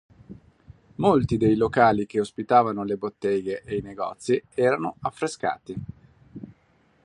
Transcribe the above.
Molti dei locali che ospitavano le botteghe e i negozi erano affrescati.